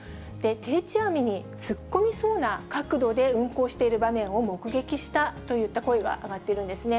定置網に突っ込みそうな角度で運航している場面も目撃したといった声が上がってるんですね。